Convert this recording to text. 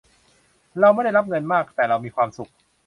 เราไม่ได้รับเงินมาก แต่เรามีความสุข